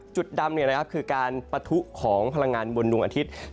จุดดำคือการปะทุของพลังงานบนดวงอาทิตย์